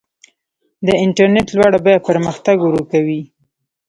د انټرنیټ لوړه بیه پرمختګ ورو کوي.